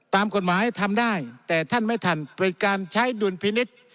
ตามกฎหมายทำได้แต่ท่านไม่ทันเป็นการใช้ดุลพินิษฐ์